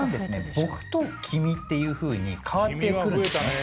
「僕」と「君」っていう風に変わってくるんですね。